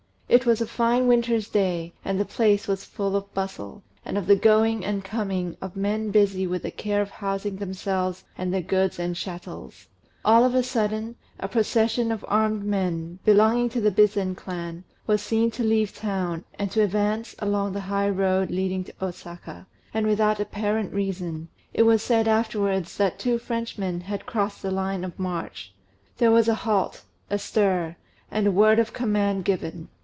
It was a fine winter's day, and the place was full of bustle, and of the going and coming of men busy with the care of housing themselves and their goods and chattels. All of a sudden, a procession of armed men, belonging to the Bizen clan, was seen to leave the town, and to advance along the high road leading to Osaka; and without apparent reason it was said afterwards that two Frenchmen had crossed the line of march there was a halt, a stir, and a word of command given.